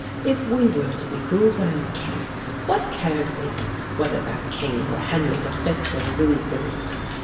If we were to be ruled by a king, what cared we whether that king were Henry V. or Louis Philippe?